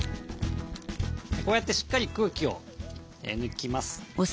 こうやってしっかり空気を抜きます。